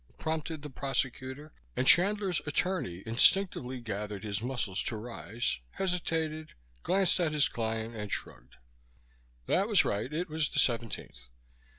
prompted the prosecutor, and Chandler's attorney instinctively gathered his muscles to rise, hesitated, glanced at his client and shrugged. That was right, it was the seventeenth.